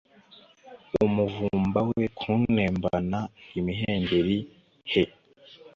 Umuvumba we kuntembana Imihengeri he